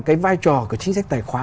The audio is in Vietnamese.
cái vai trò của chính sách tài khoá